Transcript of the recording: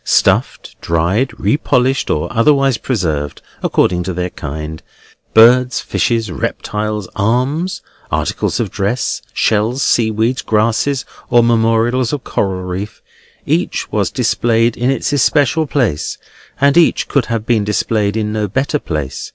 Stuffed, dried, repolished, or otherwise preserved, according to their kind; birds, fishes, reptiles, arms, articles of dress, shells, seaweeds, grasses, or memorials of coral reef; each was displayed in its especial place, and each could have been displayed in no better place.